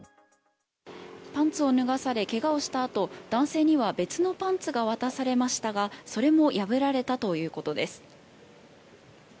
パンツを脱がされけがをしたあと男性には別のパンツが渡されましたがそれも破られたということです。